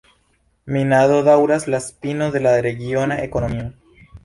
Minado daŭras la spino de la regiona ekonomio.